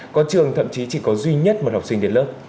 có trường thậm chí chỉ có duy nhất một học sinh đến lớp